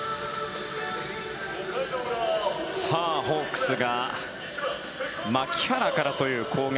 ホークスが牧原からという攻撃。